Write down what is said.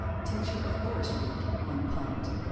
Tincture of orris root 1 pint.